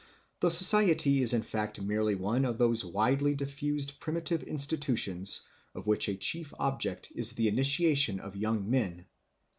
The society is in fact merely one of those widely diffused primitive institutions, of which a chief object is the initiation of young men.